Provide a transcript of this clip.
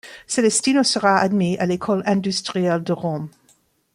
Celestino sera admis à l'Ecole Industrielle de Rome.